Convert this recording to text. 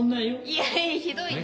いやひどいな。